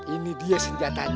ini dia senjatanya